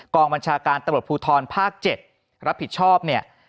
บัญชาการตำรวจภูทรภาค๗รับผิดชอบเนี่ย